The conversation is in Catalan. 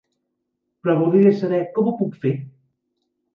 Però voldria saber com ho puc fer?